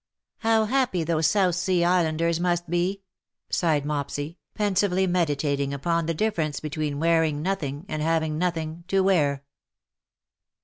" How happy those South Sea Islanders must be/'' sighed Mopsy, pensively meditating upon the differ ence between wearing nothing, and having nothing to wear.